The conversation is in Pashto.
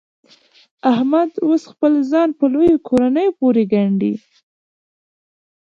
احمد اوس خپل ځان په لویو کورنیو پورې ګنډي.